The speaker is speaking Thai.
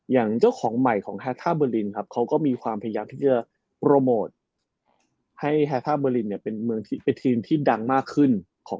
อย่างเจ้าของใหม่ของแฮท่าเบอร์ลินครับเขาก็มีความพยายามที่จะโปรโมทให้แฮท่าเบอร์ลินเนี่ยเป็นเมืองที่เป็นทีมที่ดังมากขึ้นของ